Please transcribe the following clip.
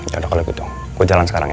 yaudah kalo gitu gua jalan sekarang ya